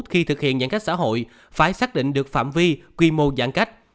khi thực hiện giãn cách xã hội phải xác định được phạm vi quy mô giãn cách